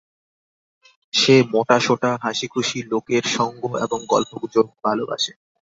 সে মোটাসোটা, হাসিখুশি, লোকের সঙ্গ এবং গল্পগুজব ভালোবাসে।